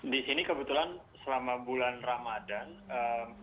di sini kebetulan selama bulan ramadan